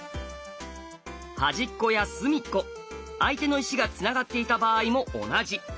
端っこや隅っこ相手の石がつながっていた場合も同じ。